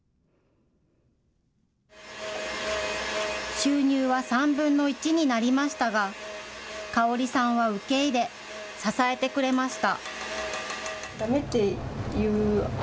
収入は３分の１になりましたがかおりさんは受け入れ、支えてくれました。